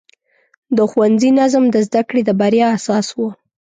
د ښوونځي نظم د زده کړې د بریا اساس و.